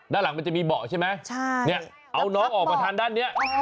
ด้านหลังมันจะมีเบาะใช่ไหมใช่เนี่ยเอาน้องออกมาทางด้านนี้